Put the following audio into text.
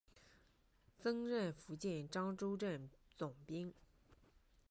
曾任福建漳州镇总兵。